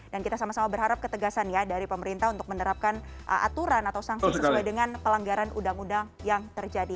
dan kita sama sama berharap ketegasan ya dari pemerintah untuk menerapkan aturan atau sangsi sesuai dengan pelanggaran udang udang yang terjadi